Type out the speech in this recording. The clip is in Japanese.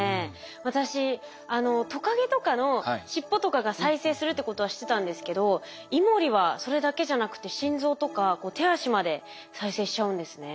私トカゲとかの尻尾とかが再生するってことは知ってたんですけどイモリはそれだけじゃなくて心臓とか手足まで再生しちゃうんですね。